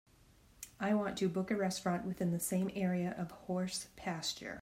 I want to book a restaurant within the same area of Horse Pasture.